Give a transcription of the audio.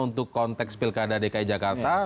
untuk konteks pilkada dki jakarta